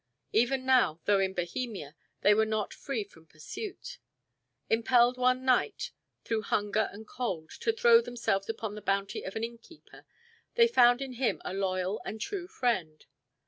Even now, though in Bohemia, they were not free from pursuit. Impelled one night, through hunger and cold, to throw themselves upon the bounty of an inn keeper, they found in him a loyal and true friend.